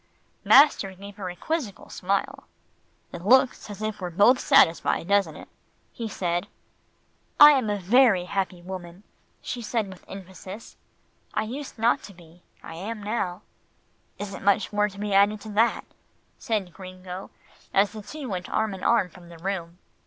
Master gave her a quizzical smile. "It looks as if we were both satisfied, doesn't it?" he said. "I am a very happy woman," she said with emphasis. "I used not to be. I am now." "Isn't much more to be added to that," said Gringo, as the two went arm in arm from the room.